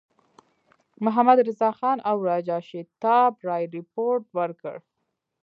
محمدرضاخان او راجا شیتاب رای رپوټ ورکړ.